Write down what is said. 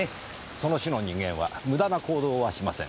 その種の人間は無駄な行動はしません。